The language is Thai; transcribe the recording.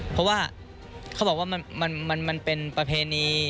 เพราะว่าเขาบอกว่ามันเป็นประเพณี